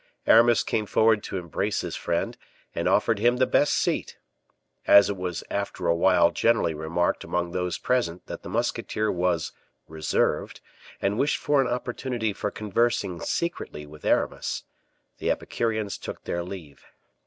Aramis came forward to embrace his friend, and offered him the best seat. As it was after awhile generally remarked among those present that the musketeer was reserved, and wished for an opportunity for conversing secretly with Aramis, the Epicureans took their leave.